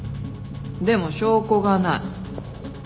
でも証拠がない。